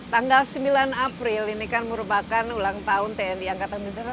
tanggal sembilan april ini kan merupakan ulang tahun tni angkatan udara